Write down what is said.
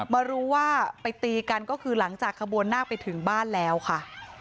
มารู้ว่าไปตีกันก็คือหลังจากขบวนนาคไปถึงบ้านแล้วค่ะ